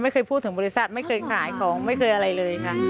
ไม่เคยพูดถึงบริษัทไม่เคยขายของไม่เคยอะไรเลยค่ะ